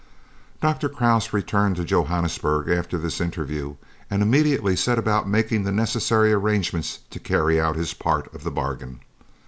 Dr. Krause returned to Johannesburg after this interview and immediately set about making the necessary arrangements to carry out his part of the bargain.